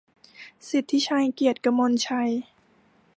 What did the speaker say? สิทธิชัย เกียรติกมลชัย